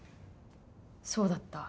「そうだった。